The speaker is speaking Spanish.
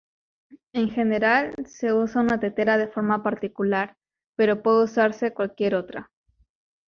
En general, se usa una tetera de forma particular, pero puede usarse cualquier otra.